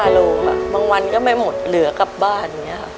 ๕โลบางวันก็ไม่หมดเหลือกลับบ้าน